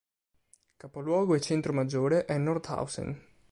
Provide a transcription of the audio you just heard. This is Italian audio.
Capoluogo e centro maggiore è Nordhausen.